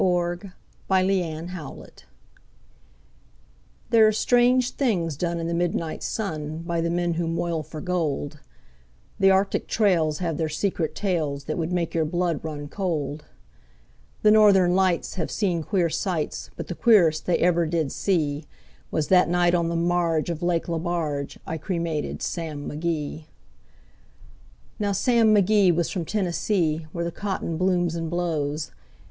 The Cremation of Sam Mcgee There are strange things done in the midnight sun By the men who moil for gold; The Arctic trails have their secret tales That would make your blood run cold; The Northern Lights have seen queer sights, But the queerest they ever did see Was that night on the marge of Lake Lebarge I cremated Sam McGee. Now Sam McGee was from Tennessee, where the cotton blooms and blows.